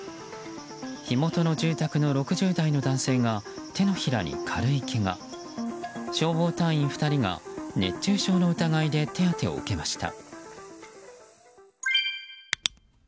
火元の住宅の６０代の男性が手のひらに軽いけが消防隊員２人が熱中症の疑いで手当てを受けました。